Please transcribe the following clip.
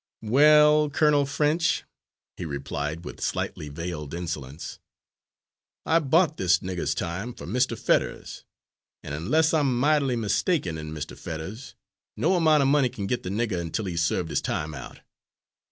"Well, Colonel French," he replied with slightly veiled insolence, "I bought this nigger's time for Mr. Fetters, an' unless I'm might'ly mistaken in Mr. Fetters, no amount of money can get the nigger until he's served his time out.